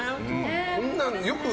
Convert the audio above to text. こんなのよく。